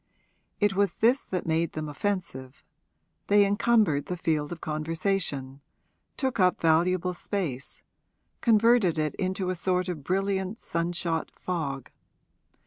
It was this that made them offensive; they encumbered the field of conversation, took up valuable space, converted it into a sort of brilliant sun shot fog.